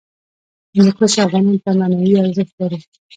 هندوکش افغانانو ته معنوي ارزښت لري.